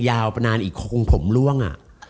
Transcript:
แต่ว่าตอนนี้ผมล่วง